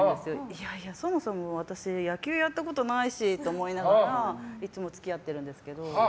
いやいや、そもそも私、野球はやったことないしって思いながらいつも付き合ってるんですけど。